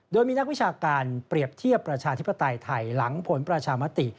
โดยมีนักวิชาการเปรียบเทียบประชาธิปไตยไทยหลังผลประชามติ